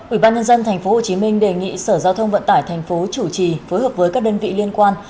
ủy ban nhân dân tp hcm đề nghị sở giao thông vận tải tp chủ trì phối hợp với các đơn vị liên quan